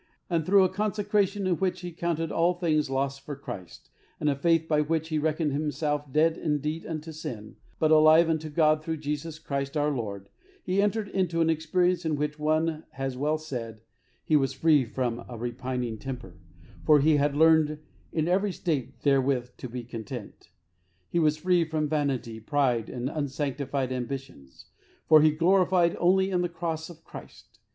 And through a consecration in which he counted all things loss for Christ and a faith by which he reckoned himself "dead indeed unto sin, but alive unto God through Jesus Christ our Lord," he entered into an experience in which, as one has well said, he was "free from a repining temper, for he had learned in every s*:ate there with to be content. He was free from vanity, pride, and unsanctified ambitions, for he gloried only in the Cross of Christ.